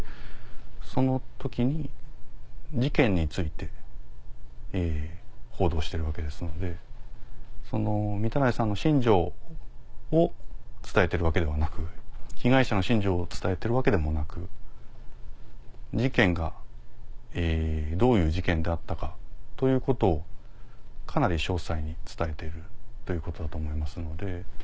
その時に事件について報道してるわけですのでその御手洗さんの心情を伝えてるわけではなく被害者の心情を伝えてるわけでもなく事件がどういう事件であったかということをかなり詳細に伝えているということだと思いますので。